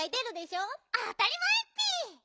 あたりまえッピ！